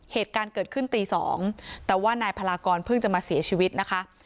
เหตุการณ์เกิดขึ้นตี๒แต่ว่านายพลากรเพิ่งจะมาเสียชีวิตนะคะ